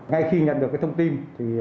ngay khi nhận được thông tin